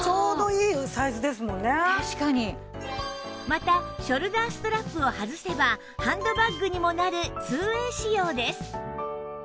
またショルダーストラップを外せばハンドバッグにもなる ２ＷＡＹ 仕様です